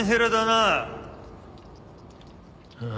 ああ？